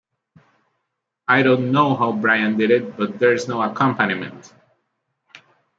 I don't know how Brian did it, but there's no accompaniment.